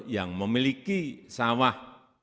yang memiliki sawah